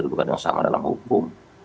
bukan yang sama dalam hukum